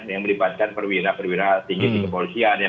yang melibatkan perwira perwira tinggi di kepolisian